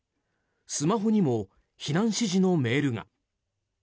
スマホにも避難指示のメールが。